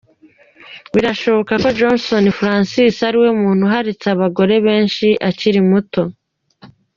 Birashoboka ko Jason Francis Jeffs ariwe muntu uharitse abagore benshi akiri muto.